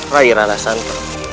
rai raya santam